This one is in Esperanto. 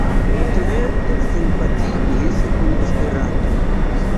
Otlet simpatiis kun Esperanto.